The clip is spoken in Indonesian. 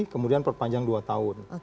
kemudian perpanjang dua tahun